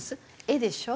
絵でしょ。